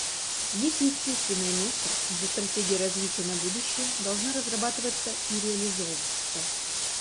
Есть естественное место, где стратегия развития на будущее должна разрабатываться и реализовываться.